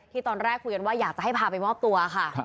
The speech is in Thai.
ตอนแรกคุยกันว่าอยากจะให้พาไปมอบตัวค่ะ